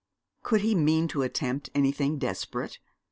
Could he mean to attempt anything desperate?